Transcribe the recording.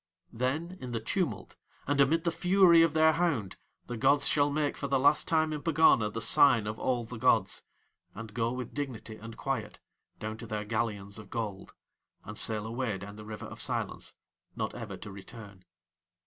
Then in the tumult and amid the fury of their hound the gods shall make for the last time in Pegana the sign of all the gods, and go with dignity and quiet down to Their galleons of gold, and sail away down the River of Silence, not ever to return.